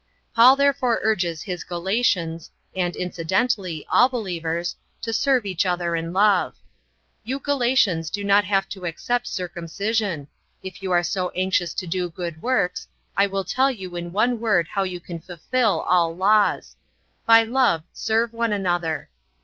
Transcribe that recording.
Paul therefore urges his Galatians and, incidentally, all believers to serve each other in love. "You Galatians do not have to accept circumcision. If you are so anxious to do good works, I will tell you in one word how you can fulfill all laws. 'By love serve one another.'